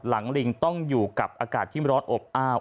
ลิงต้องอยู่กับอากาศที่ร้อนอบอ้าว